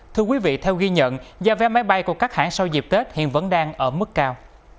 thưa quý vị theo ghi nhận giá vé máy bay của các hãng sau dịp tết hiện vẫn đang ở mức cao